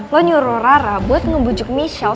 lo nyuruh rara buat ngebujuk michelle